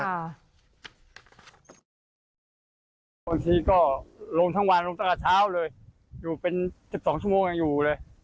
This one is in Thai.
บางทีก็ลงทั้งวันลงตั้งแต่เช้าเลยอยู่เป็น๑๒ชั่วโมงยังอยู่เลย